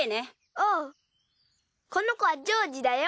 ああこの子はジョージだよ。